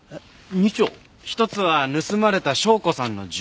２丁？一つは盗まれた紹子さんの銃。